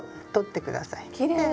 きれい！